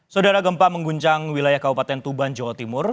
saudara gempa mengguncang wilayah kabupaten tuban jawa timur